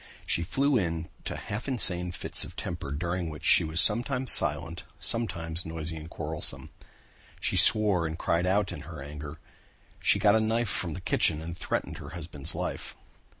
She flew into half insane fits of temper during which she was sometimes silent, sometimes noisy and quarrelsome. She swore and cried out in her anger. She got a knife from the kitchen and threatened her husband's life.